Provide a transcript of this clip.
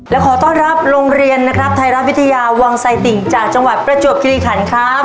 และขอต้อนรับโรงเรียนนะครับไทยรัฐวิทยาวังไซติ่งจากจังหวัดประจวบคิริขันครับ